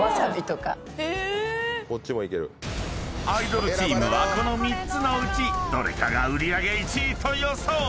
［アイドルチームはこの３つのうちどれかが売り上げ１位と予想］